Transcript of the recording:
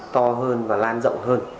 to hơn và lan rộng hơn